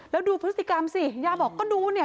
แล้วดูพฤติกรรมสิย่าบอกก็ดูเนี่ย